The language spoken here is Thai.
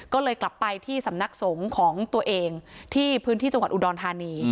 ก็เลยกลับไปที่สำนักสงฆ์ของตัวเองที่พื้นที่จังหวัดอุดรธานี